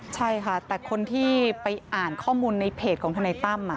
ใช่ค่ะแต่คนที่ไปอ่านข้อมูลในเพจของทนายตั้ม